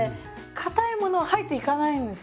かたいもの入っていかないんです。